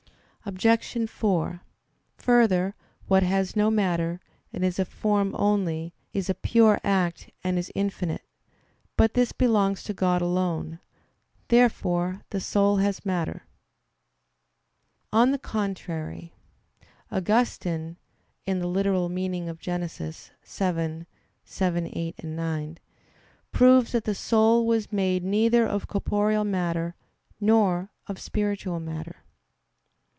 Obj. 4: Further, what has no matter, and is a form only, is a pure act, and is infinite. But this belongs to God alone. Therefore the soul has matter. On the contrary, Augustine (Gen. ad lit. vii, 7,8,9) proves that the soul was made neither of corporeal matter, nor of spiritual matter.